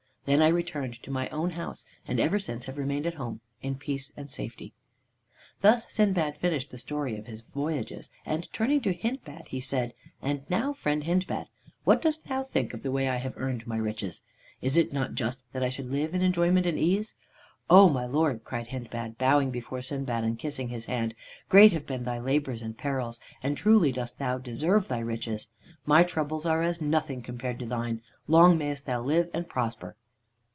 "Then I returned to my own house, and ever since have remained at home in peace and safety." Thus Sindbad finished the story of his voyages, and turning to Hindbad, he said: "And now, friend Hindbad, what dost thou think of the way I have earned my riches? Is it not just that I should live in enjoyment and ease?" "O my lord," cried Hindbad, bowing before Sindbad, and kissing his hand, "great have been thy labors and perils, and truly dost thou deserve thy riches. My troubles are as nothing compared to thine. Long mayest thou live and prosper!"